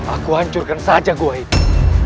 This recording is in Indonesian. aku hancurkan saja gua itu